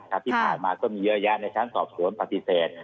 ที่ผ่านมาก็มีเยอะแยะในชั้นสอบสวนปฏิเสธ